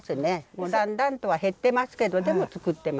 もうだんだんとは減ってますけどでも作ってます。